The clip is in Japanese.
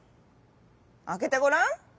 あけてごらん。